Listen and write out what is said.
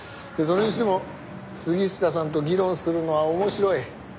それにしても杉下さんと議論するのは面白い。